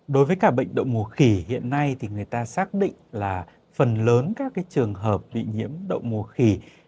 đối với cả bệnh động mùa khỉ hiện nay thì người ta xác định là phần lớn các trường hợp bị nhiễm đậu mùa khỉ